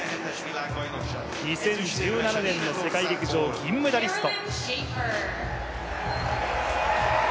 ２０１７年の世界陸上、銀メダリスト。